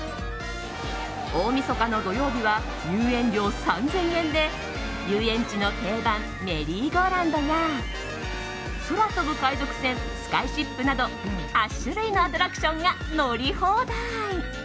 大みそかの土曜日は入園料３０００円で遊園地の定番メリーゴーランドや空飛ぶ海賊船スカイシップなど８種類のアトラクションが乗り放題。